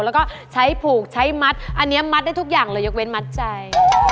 แล้วก็ใช้ผูกใช้มัดอันนี้มัดได้ทุกอย่างเลยยกเว้นมัดใจ